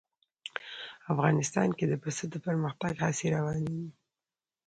افغانستان کې د پسه د پرمختګ هڅې روانې دي.